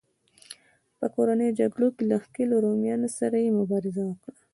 په کورنیو جګړو کې له ښکېلو رومیانو سره یې مبارزه وکړه